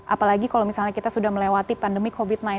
apalagi kalau misalnya kita sudah melewati pandemi covid sembilan belas